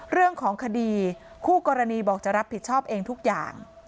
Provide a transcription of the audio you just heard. เรื่องของคดีคู่กรณีบอกจะรับผิดชอบเองทุกอย่าง